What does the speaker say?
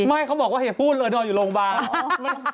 ไม่เขาบอกว่าอย่าพูดเลยนอนอยู่โรงพยาบาล